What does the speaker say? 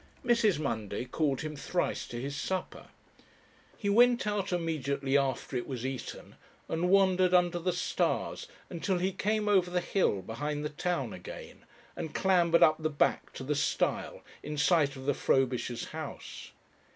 Mrs. Munday called him thrice to his supper. He went out immediately after it was eaten and wandered under the stars until he came over the hill behind the town again, and clambered up the back to the stile in sight of the Frobishers' house.